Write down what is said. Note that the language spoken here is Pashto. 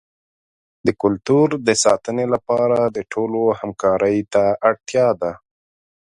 د کلتور د ساتنې لپاره د ټولو همکارۍ ته اړتیا ده.